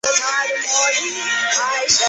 住下来吧